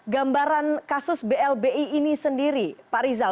gambaran kasus blbi ini sendiri pak rizal